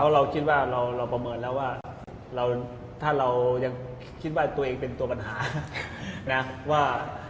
เราประเมินแล้วว่าถ้าเรายังคิดว่าตัวเองเป็นตัวปัญหา